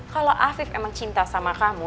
kalau afif emang cinta sama kamu